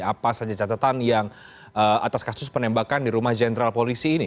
apa saja catatan yang atas kasus penembakan di rumah jenderal polisi ini